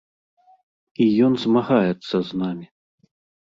І ён змагаецца з намі.